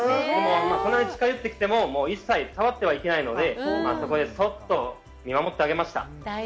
そんなに近づいてきても一切触ってはいけないので、そっと見守ってあげました。